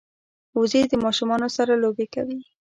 وزې د ماشومانو سره لوبې کوي